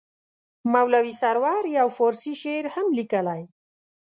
مولوي سرور یو فارسي شعر هم لیکلی.